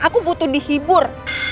aku butuh dihibur